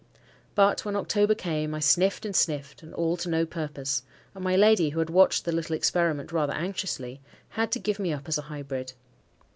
But when October came, I sniffed and sniffed, and all to no purpose; and my lady—who had watched the little experiment rather anxiously—had to give me up as a hybrid.